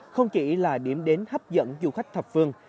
không chỉ là điểm đến hấp dẫn du khách thập phương